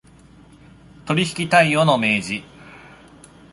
取引態様の明示